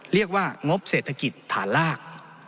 เรียกว่างบเศรษฐกิจฐานลาก